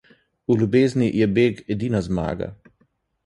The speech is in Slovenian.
V ljubezni je beg edina zmaga.